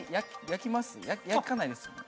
焼かないですよね？